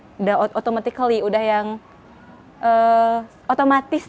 sudah automatically sudah yang otomatis